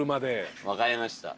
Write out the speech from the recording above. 分かりました。